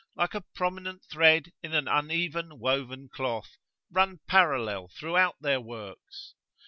like a prominent thread in an uneven woven cloth, run parallel throughout their works.